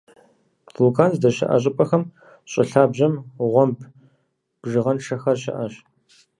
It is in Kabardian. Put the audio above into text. Вулкан здэщыӀэ щӀыпӀэхэм щӀы лъабжьэм гъуэмб бжыгъэншэхэри щыӀэщ.